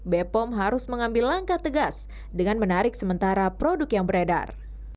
bepom harus mengambil langkah tegas dengan menarik sementara produk yang beredar